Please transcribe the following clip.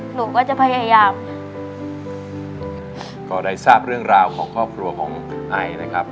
หนูก็จะพยายามก็ได้ทราบเรื่องราวของครอบครัวของคุณไอนะครับ